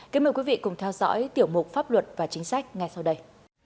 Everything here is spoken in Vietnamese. kính mời quý vị cùng theo dõi tiểu mục pháp luật và chính sách ngay sau đây